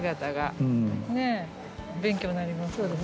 勉強になりますよね。